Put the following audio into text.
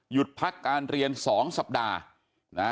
หยุดพักการเรียนสองสัปดาห์